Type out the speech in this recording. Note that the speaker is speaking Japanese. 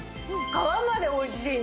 皮まで美味しいね。